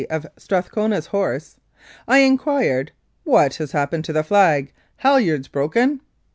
of Strathcona's Horse) I inquired, " What has happened to the flag ? Halyards broken